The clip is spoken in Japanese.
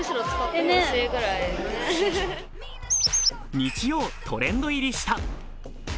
日曜、トレンド入りした。